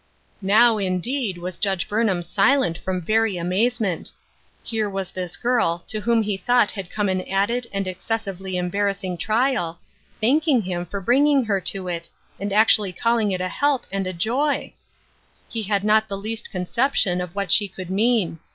Now, indeed, was Judge Burnham silent from very amazement. Here was this girl, to whom he thought had come an added and excessively embarrassing trial, thanking him for bringing her into it, and actually calling it a help and a joy I He had not the least conception of what she could mean.